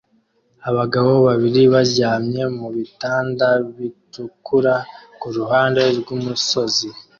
Abagabo babiri baryamye mu bitanda bitukura ku ruhande rw'umusozi